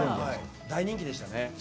大人気でしたね。